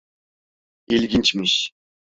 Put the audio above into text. İlginçmiş.